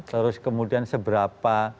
terus kemudian seberapa